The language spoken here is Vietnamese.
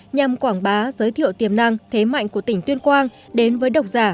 nhằm quảng bá giới thiệu tiềm năng thế mạnh của tỉnh tuyên quang đến với độc giả